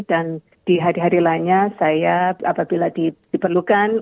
dan di hari hari lainnya saya apabila diperlukan